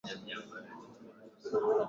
baada ya watu zaidi ya milioni moja nukta tano